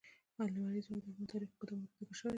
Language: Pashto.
لمریز ځواک د افغان تاریخ په کتابونو کې ذکر شوی دي.